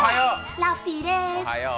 ラッピーです。